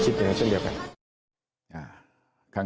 ชิดตรงนี้เช่นเดียวกัน